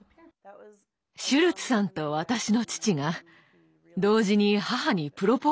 シュルツさんと私の父が同時に母にプロポーズしたらしいです。